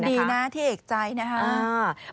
ดีนะที่เอกใจนะครับ